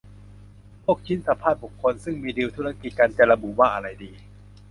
พวกชิ้นสัมภาษณ์บุคคล ซึ่งมีดีลธุรกิจกัน จะระบุว่าอะไรดี